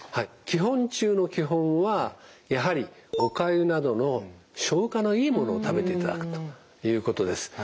基本中の基本はやはりおかゆなどの消化のいいものを食べていただくということです。